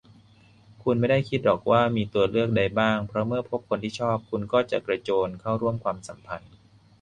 คุณไม่ได้คิดหรอกว่ามีตัวเลือกใดบ้าง เพราะเมื่อพบคนที่ชอบ คุณก็กระโจนเข้าร่วมความสัมพันธ์